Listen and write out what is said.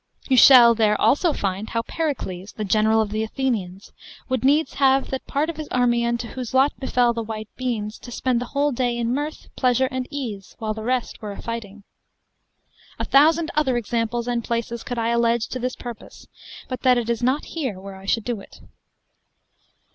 You shall there also find, how Pericles, the general of the Athenians, would needs have that part of his army unto whose lot befell the white beans, to spend the whole day in mirth, pleasure, and ease, whilst the rest were a fighting. A thousand other examples and places could I allege to this purpose, but that it is not here where I should do it.